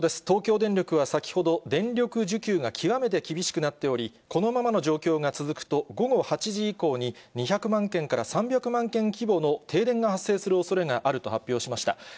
東京電力は先ほど、電力需給が極めて厳しくなっており、このままの状況が続くと、午後８時以降に、２００万軒から３００万軒規模の停電が発生するおそれがあると発表しました。